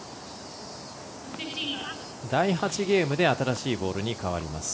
第８ゲームで新しいボールに変わります。